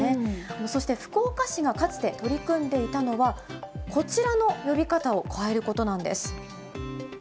そして、福岡市がかつて取り組んでいたのは、こちらの呼び方を変えることなんです。